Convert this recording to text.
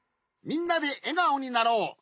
みんなでえがおになろう！